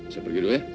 saya pergi dulu ya